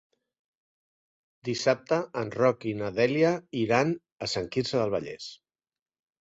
Dissabte en Roc i na Dèlia iran a Sant Quirze del Vallès.